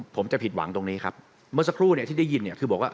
ผมจะผิดหวังตรงนี้ครับเมื่อสักครู่เนี่ยที่ได้ยินเนี่ยคือบอกว่า